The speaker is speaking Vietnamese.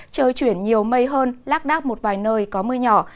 trời chuyển nhiều mây hơn lác đác một vài nơi có mưa nhỏ